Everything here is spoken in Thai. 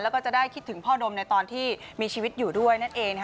แล้วก็จะได้คิดถึงพ่อดมในตอนที่มีชีวิตอยู่ด้วยนั่นเอง